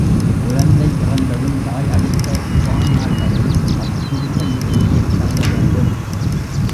குழந்தை பிறந்ததும், தாய் அடுத்த உவா நாள் வரை அக் குடிசையிலேயே தங்கவேண்டும்.